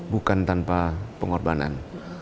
bukan tanpa pengorbanan